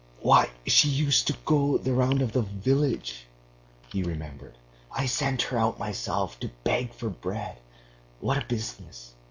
"Why, she used to go the round of the village," he remembered. "I sent her out myself to beg for bread. What a business!